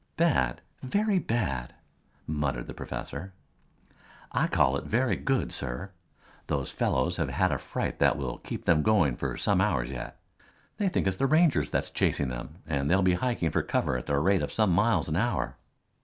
"Bad, very bad!" muttered the professor. "I call it very good, sir. Those fellows have had a fright that will keep them going for some hours yet. They think it is the Rangers that's chasing them and they'll be hiking for cover at the rate of some miles an hour."